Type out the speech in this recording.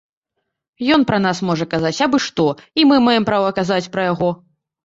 Ён пра нас можа казаць абы-што, і мы маем права казаць пра яго.